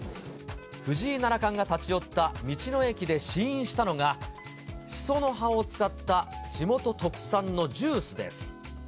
藤井七冠が立ち寄った道の駅で試飲したのが、シソの葉を使った地元特産のジュースです。